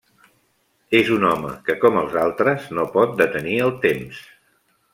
És un home, que com els altres, no pot detenir el temps.